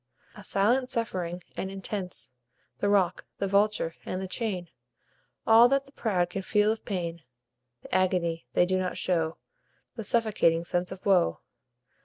A silent suffering, and intense; The rock, the vulture, and the chain; All that the proud can feel of pain; The agony they do not show; The suffocating sense of woe.